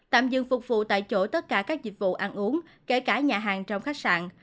tạm dừng phục vụ tại chỗ tất cả các dịch vụ ăn uống kể cả nhà hàng trong khách sạn